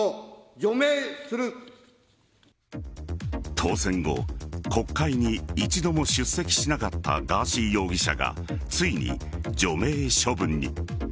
当選後国会に一度も出席しなかったガーシー容疑者がついに除名処分に。